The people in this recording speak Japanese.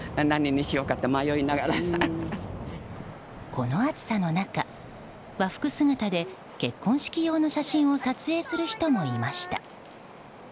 この暑さの中、和服姿で結婚式用の写真を撮影する人もいました。